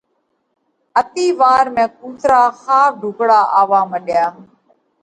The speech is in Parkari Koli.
اتِي وار ۾ ڪُوترا ۿاوَ ڍُوڪڙا آوَوا مڏيا۔